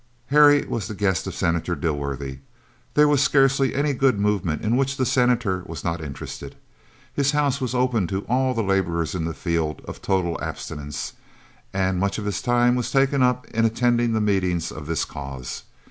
Harry was the guest of Senator Dilworthy. There was scarcely any good movement in which the Senator was not interested. His house was open to all the laborers in the field of total abstinence, and much of his time was taken up in attending the meetings of this cause.